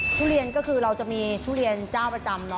ทุเรียนก็คือเราจะมีทุเรียนเจ้าประจำ